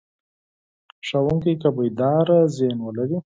ښوونکی که بیداره ذهن ولري.